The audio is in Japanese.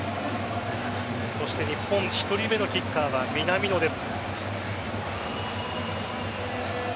そして日本１人目のキッカーは南野です。